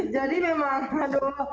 jadi memang aduh